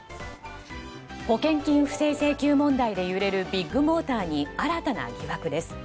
保険金不正請求問題で揺れるビッグモーターに新たな疑惑です。